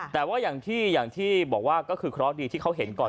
แต่ว่าอย่างที่บอกว่าก็คือเคราะห์ดีที่เขาเห็นก่อน